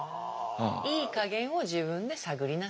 いい加減を自分で探りなさいと。